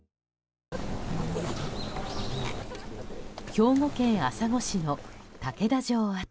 兵庫県朝来市の竹田城跡。